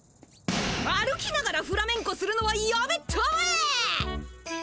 歩きながらフラメンコするのはやめたまえ！